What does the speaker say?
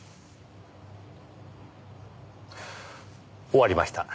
終わりました。